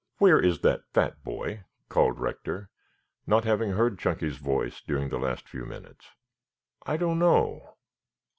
"Where is that fat boy?" called Rector, not having heard Chunky's voice during the last few minutes. "I don't know.